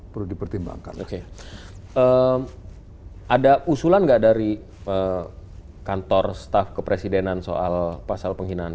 perlu dipertimbangkan ada usulan enggak dari kantor staf kepresidenan soal pasal penghinaan